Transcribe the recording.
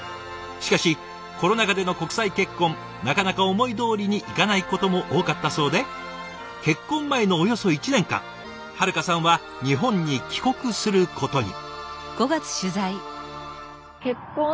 しかしコロナ禍での国際結婚なかなか思いどおりにいかないことも多かったそうで結婚前のおよそ１年間遥花さんは日本に帰国することに。